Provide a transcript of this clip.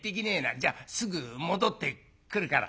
「じゃすぐ戻ってくるから。